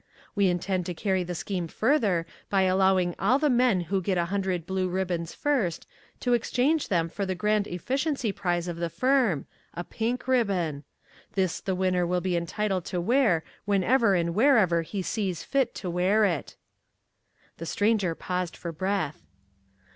We intend to carry the scheme further by allowing all the men who get a hundred blue ribbons first, to exchange them for the Grand Efficiency Prize of the firm, a pink ribbon. This the winner will be entitled to wear whenever and wherever he sees fit to wear it. The stranger paused for breath.